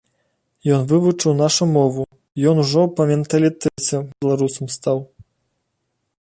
Ён вывучыў нашу мову, ён ужо па менталітэце беларусам стаў.